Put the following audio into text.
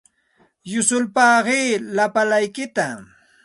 Yusulpaaqi lapalaykitsikta.